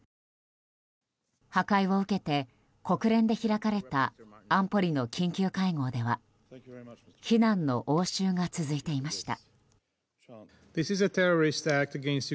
破壊を受けて、国連で開かれた安保理の緊急会合では非難の応酬が続いていました。